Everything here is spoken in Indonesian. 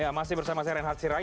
ya masih bersama saya renhardsirai